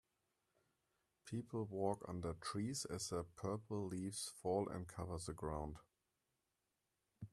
People walk under trees as their purple leaves fall and cover the ground.